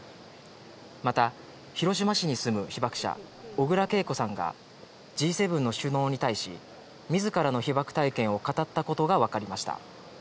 また広島市に住む被爆者、小倉桂子さんが、Ｇ７の首脳に対し、みずからの被爆体験を語ったことが分かりました。